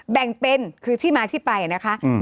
แบ่งเป็นคือที่มาที่ไปนะคะ